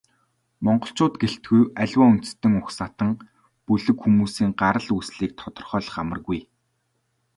Монголчууд гэлтгүй, аливаа үндэстэн угсаатан, бүлэг хүмүүсийн гарал үүслийг тодорхойлох амаргүй.